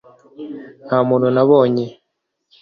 nta muntu nabonye